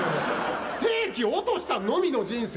定期落としたのみの人生？